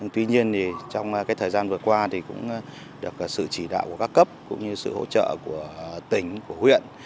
tuy nhiên thì trong thời gian vừa qua thì cũng được sự chỉ đạo của các cấp cũng như sự hỗ trợ của tỉnh của huyện